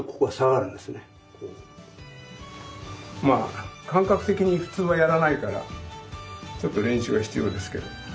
まあ感覚的に普通はやらないからちょっと練習が必要ですけど。